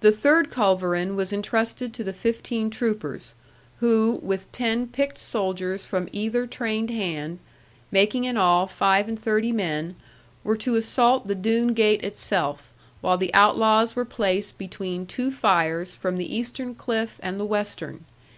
The third culverin was entrusted to the fifteen troopers; who, with ten picked soldiers from either trained hand, making in all five and thirty men, were to assault the Doone gate itself, while the outlaws were placed between two fires from the eastern cliff and the western.